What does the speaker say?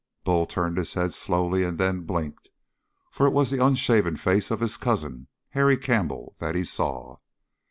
Bull turned his head slowly and then blinked, for it was the unshaven face of his cousin, Harry Campbell, that he saw.